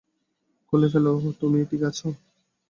খুলে ফেল - উহ - তুমি ঠিক আছ?